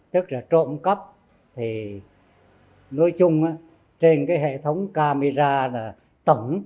tức là trộm cắp thì nói chung trên cái hệ thống camera là tẩn